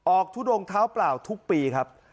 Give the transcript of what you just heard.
ทุดงเท้าเปล่าทุกปีครับ